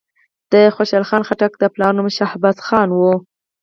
د خوشحال خان خټک د پلار نوم شهباز خان وو.